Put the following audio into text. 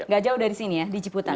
gak jauh dari sini ya di ciputa